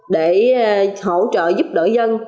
để hỗ trợ giúp đỡ dân